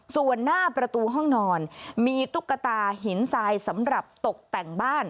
ส่วนหน้าประตูห้องนอนมีตุ๊กตาหินทรายสำหรับตกแต่งบ้าน